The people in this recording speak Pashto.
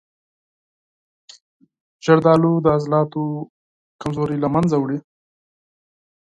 زردآلو د عضلاتو کمزوري له منځه وړي.